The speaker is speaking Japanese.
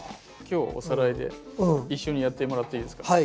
今日おさらいで一緒にやってもらっていいですか？